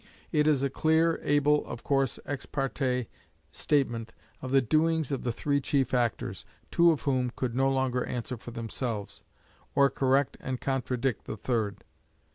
It is a clear, able, of course ex parte statement of the doings of the three chief actors, two of whom could no longer answer for themselves, or correct and contradict the third.